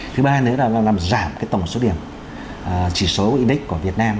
thứ ba nữa là nó làm giảm cái tổng số điểm chỉ số index của việt nam